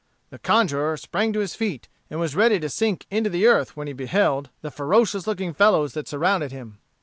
The conjurer sprang to his feet, and was ready to sink into the earth when he beheld the ferocious looking fellows that surrounded him.